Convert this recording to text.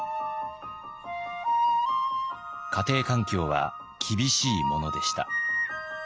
家庭環境は厳しいものでした。